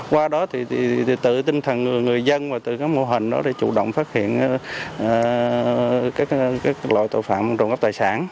qua đó thì tự tinh thần người dân và từ các mô hình đó để chủ động phát hiện các loại tội phạm trộm cắp tài sản